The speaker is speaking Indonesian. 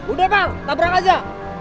udah bang tabrak aja